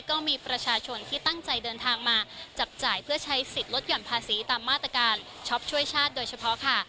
ก็มีประชาชนที่ตั้งใจเดินทางมาจับจ่ายเพื่อใช้สิทธิ์ลดหย่อนภาษีตามมาตรการช็อปช่วยชาติโดยเฉพาะค่ะ